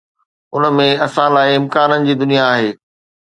ان ۾ اسان لاءِ امڪانن جي دنيا آهي.